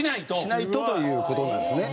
しないとという事なんですね。